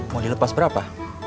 mau dilepas berapa